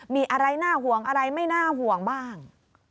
มีอะไรน่าห่วงอะไรไม่น่าห่วงบ้าง